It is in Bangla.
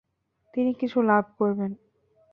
তিনি কিছু লাভ করবেন।